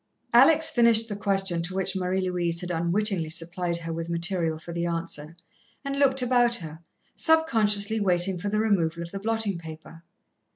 Alex finished the question to which Marie Louise had unwittingly supplied her with material for the answer, and looked about her, subconsciously waiting for the removal of the blotting paper.